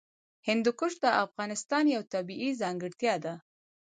هندوکش د افغانستان یوه طبیعي ځانګړتیا ده.